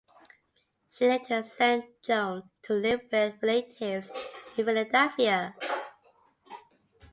She later sent Joan to live with relatives in Philadelphia.